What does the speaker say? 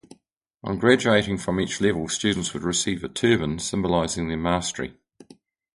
On graduating from each level, students would receive a turban symbolizing their mastery.